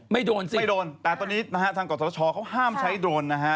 ไม่โดนแต่ตอนนี้ทางกฎศาสตร์ชอบเขาห้ามใช้โดน